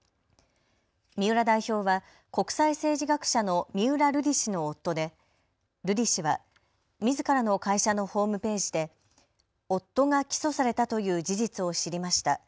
三浦代表は国際政治学者の三浦瑠麗氏の夫で瑠麗氏はみずからの会社のホームページで夫が起訴されたという事実を知りました。